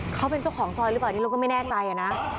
เขาเป็นเจ้าของซอยหรือเปล่านี่เราก็ไม่แน่ใจนะ